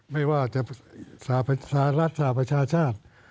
ไม่ว่าจะสหรัฐสหประชาชาติ